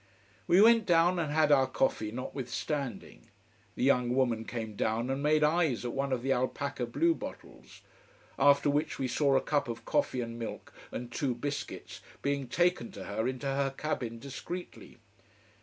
We went down and had our coffee notwithstanding. The young woman came down, and made eyes at one of the alpaca blue bottles. After which we saw a cup of coffee and milk and two biscuits being taken to her into her cabin, discreetly.